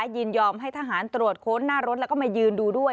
ยินยอมให้ทหารตรวจค้นหน้ารถแล้วก็มายืนดูด้วย